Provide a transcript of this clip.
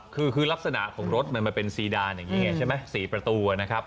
คือลักษณะของรถมันมาเป็นซีดานอย่างนี้ไงใช่ไหม๔ประตูนะครับ